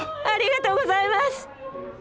ありがとうございます！